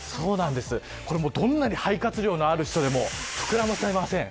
これどんなに肺活量のある人でも膨らませません。